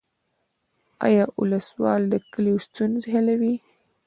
آیا ولسوال د کلیو ستونزې حلوي؟